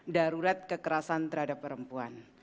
darurat kekerasan terhadap perempuan